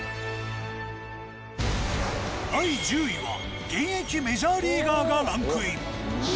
第１０位は現役メジャーリーガーがランクイン。